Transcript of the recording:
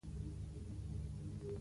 سړک د وطن د پرمختګ زینه ده.